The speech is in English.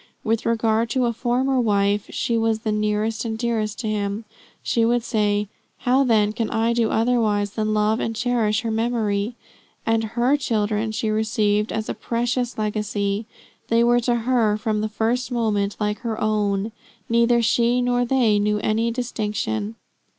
With regard to a former wife 'she was the nearest and dearest to him' she would say, 'how then can I do otherwise than love and cherish her memory?' And her children she received as a precious legacy; they were to her from the first moment like her own; neither she nor they knew any distinction."